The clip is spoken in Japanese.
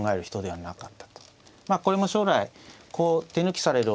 まあこれも将来こう手抜きされるおそれが。